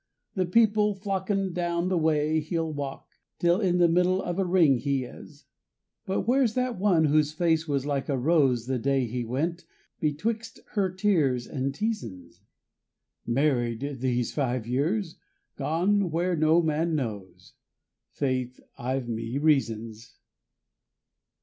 The people flockin' down the way he'll walk, Till in the middle of a ring he is. But where's that one whose face was like a rose The day he went, betwixt her tears and teasin's? Married these five years gone where no man knows, Faith, I've me reasons.